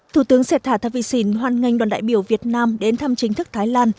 thủ tướng sẹt thả tha vị xìn hoan nghênh đoàn đại biểu việt nam đến thăm chính thức thái lan